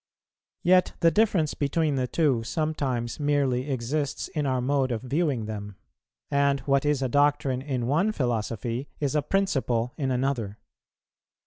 Yet the difference between the two sometimes merely exists in our mode of viewing them; and what is a doctrine in one philosophy is a principle in another.